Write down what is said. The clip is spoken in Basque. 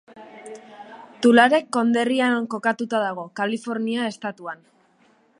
Tulare konderrian kokatuta dago, Kalifornia estatuan.